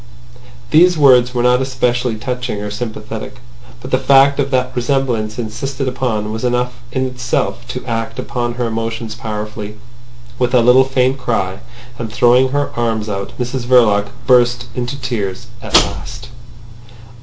These words were not especially touching or sympathetic. But the fact of that resemblance insisted upon was enough in itself to act upon her emotions powerfully. With a little faint cry, and throwing her arms out, Mrs Verloc burst into tears at last.